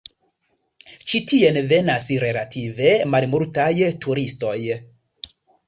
Ĉi tien venas relative malmultaj turistoj.